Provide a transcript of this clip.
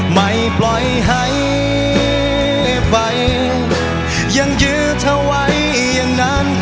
ไม่ปล่อยให้ไปยังยื้อเธอไว้อย่างนั้น